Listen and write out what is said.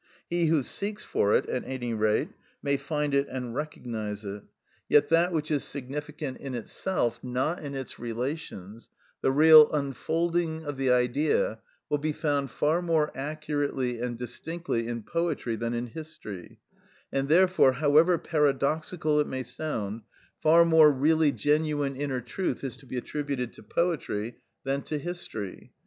He who seeks for it, at any rate, may find it and recognise it. Yet that which is significant in itself, not in its relations, the real unfolding of the Idea, will be found far more accurately and distinctly in poetry than in history, and, therefore, however paradoxical it may sound, far more really genuine inner truth is to be attributed to poetry than to history.